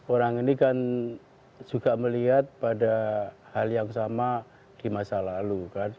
orang ini kan juga melihat pada hal yang sama di masa lalu kan